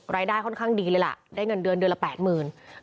รายได้ค่อนข้างดีเลยล่ะได้เงินเดือนเดือนละ๘๐๐๐บาท